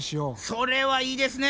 それはいいですね。